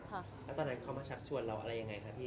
แล้วตอนนั้นเขามาชักชวนเราอะไรยังไงคะพี่